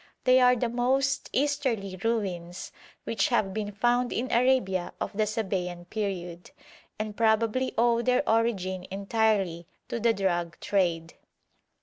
They are the most easterly ruins which have been found in Arabia of the Sabæan period, and probably owe their origin entirely to the drug trade.